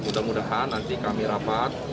mudah mudahan nanti kami rapat